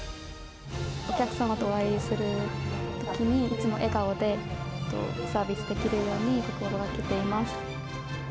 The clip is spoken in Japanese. お客様とお会いするときに、いつも笑顔でサービスできるように心がけています。